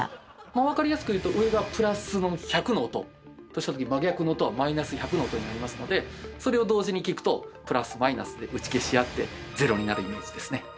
分かりやすく言うと上がプラス１００の音としたときに真逆の音はマイナス１００の音になりますのでそれを同時に聞くとプラスマイナスで打ち消し合って０になるイメージですね。